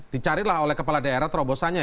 dicarilah oleh kepala daerah terobosannya